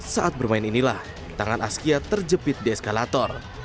saat bermain inilah tangan askia terjepit di eskalator